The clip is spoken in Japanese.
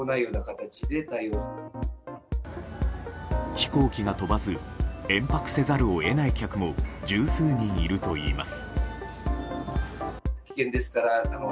飛行機が飛ばず延泊せざるを得ない客も十数人いるといいます。